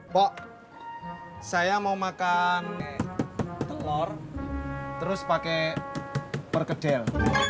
pok saya mau makan telur terus pakai perkedel